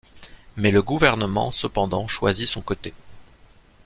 Mais le gouvernement cependant choisit son côté.